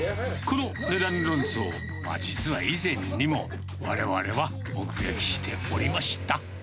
この値段論争、実は以前にも、われわれは目撃しておりました。